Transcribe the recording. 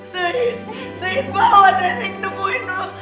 teris teris bawa nenek nemuin lu